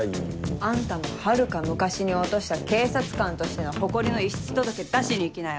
あんたもはるか昔に落とした警察官としての誇りの遺失届出しに行きなよ。